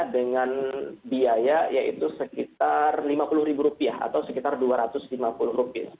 dengan biaya yaitu sekitar rp lima puluh atau sekitar rp dua ratus lima puluh